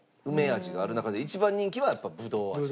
味がある中で一番人気はやっぱぶどう味が。